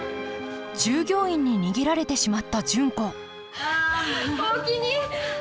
従業員に逃げられてしまった純子おおきに！